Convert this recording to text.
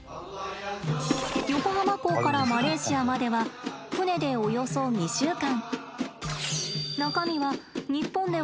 横浜港からマレーシアまでは船でおよそ２週間。